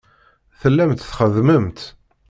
Tellamt txeddmemt.